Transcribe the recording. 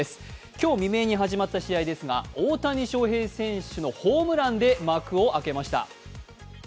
今日未明に始まった試合ですが大谷翔平選手のホームランで幕を開けました。